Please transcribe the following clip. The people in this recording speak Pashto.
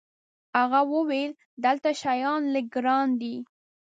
هغه وویل: دلته شیان لږ ګران دي.